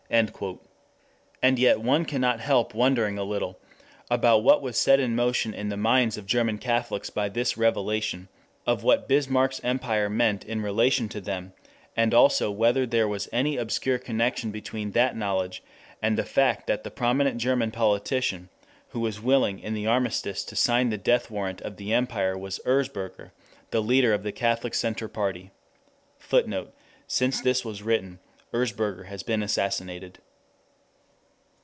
And yet one cannot help wondering a little about what was set in motion in the minds of German Catholics by this revelation of what Bismarck's empire meant in relation to them; and also whether there was any obscure connection between that knowledge and the fact that the prominent German politician who was willing in the armistice to sign the death warrant of the empire was Erzberger, [Footnote: Since this was written, Erzberger has been assassinated.